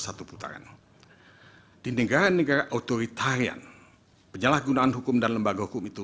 satu putaran di negara negara otoritarian penyalahgunaan hukum dan lembaga hukum itu